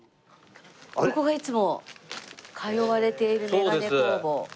ここがいつも通われているめがね工房。